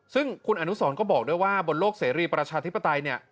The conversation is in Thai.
ซึ่งคุณอนุสรก็บอกด้วยว่าบนโลกเสรีประชาธิปไตยเนี่ย